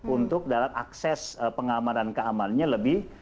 untuk dalam akses pengamanan keamanannya lebih